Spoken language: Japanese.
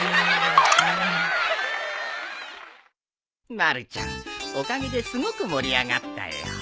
まるちゃんおかげですごく盛り上がったよ。